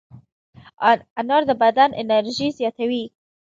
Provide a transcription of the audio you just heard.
انار د بدن انرژي زیاتوي.